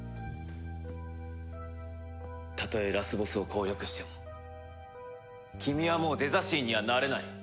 たとえラスボスを攻略しても君はもうデザ神にはなれない。